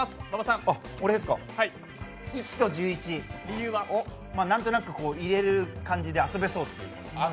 １と１１、何となく入れる感じで遊べそう。